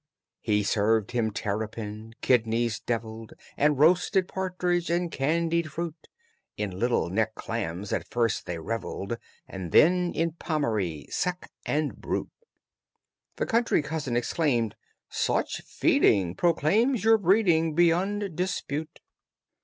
He served him terrapin, kidneys devilled, And roasted partridge, and candied fruit; In Little Neck Clams at first they revelled, And then in Pommery, sec and brut; The country cousin exclaimed: "Such feeding Proclaims your breeding Beyond dispute!"